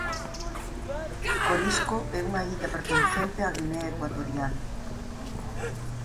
Corisco é unha illa pertencente á Guinea Ecuatorial.